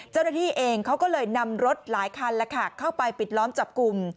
เจ้าหน้าที่เองเขาก็เลยนำรถหลายคันเข้าไปปิดล้อมจับกลุ่ม